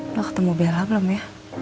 udah ketemu bella belum ya